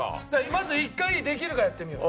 まず一回できるかやってみよう。